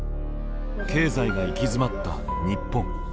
経済が行き詰まった日本。